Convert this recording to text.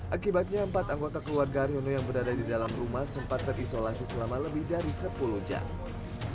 akibatnya empat anggota keluarga haryono yang berada di dalam rumah sempat terisolasi selama lebih dari sepuluh jam